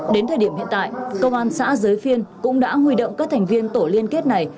đến thời điểm hiện tại công an xã giới phiên cũng đã huy động các thành viên tổ liên kết này